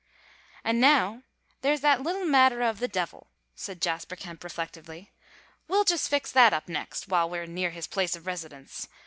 "An' now there's that little matter of the devil," said Jasper Kemp, reflectively. "We'll just fix that up next while we're near his place of residence.